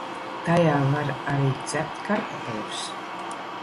Tajā var arī cept kartupeļus.